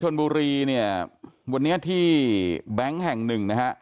ชนบุรีเนี่ยวันนี้ที่แบงค์แห่งหนึ่งนะฮะ